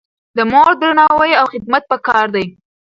د مور درناوی او خدمت پکار دی.